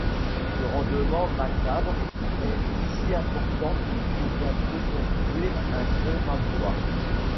Ce rendement macabre est si important qu'il faut bientôt construire un crématoire.